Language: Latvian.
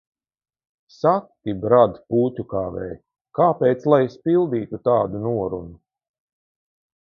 Saki, Bard, Pūķu Kāvēj, kāpēc lai es pildītu tādu norunu?